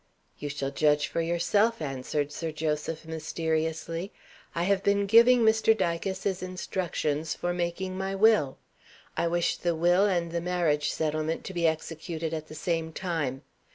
"You shall judge for yourself," answered Sir Joseph, mysteriously; "I have been giving Mr. Dicas his instructions for making my Will. I wish the Will and the Marriage Settlement to be executed at the same time.